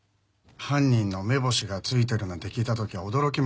犯人の目星がついてるなんて聞いた時は驚きましたよ。